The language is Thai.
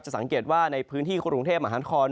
สังเกตว่าในพื้นที่กรุงเทพมหานคร